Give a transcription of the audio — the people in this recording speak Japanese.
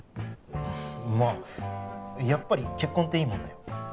まあやっぱり結婚っていいもんだよ。